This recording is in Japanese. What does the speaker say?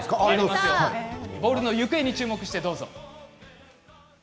ボールの行方に注目してどうぞ。